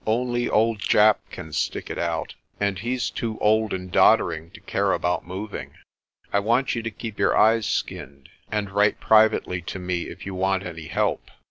Only old Japp can stick it out, and he's too old and doddering to care about moving. I want you to keep your eyes skinned, and write privately to me if you want any help.